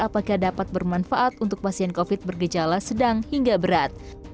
apakah dapat bermanfaat untuk pasien covid bergejala sedang hingga berat